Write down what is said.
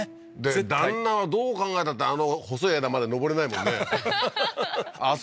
絶対で旦那はどう考えたってあの細い枝まで登れないもんねははははっ